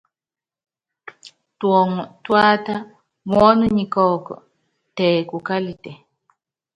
Tuɔŋu túata, muɔ́nu nyi kɔ́ɔkun tɛ kukalitɛ.